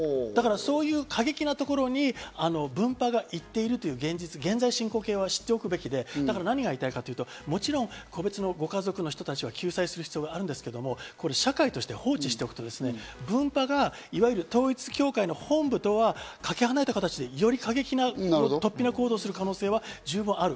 過激なところに分派が行っているという現実、現在進行形で知っておくべきで、何が言いたいかというと個別のご家族の人たちを救済する必要があるんですけど、社会として放置しておくと、分派がいわゆる統一教会の本部とはかけ離れた形でより過激な、突飛な行動する可能性は十分ある。